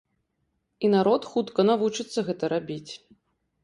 І народ хутка навучыцца гэта рабіць.